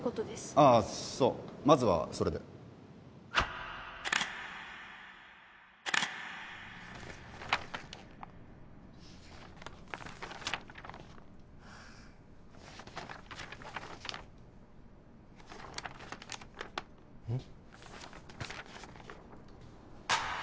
ああそうまずはそれでうん？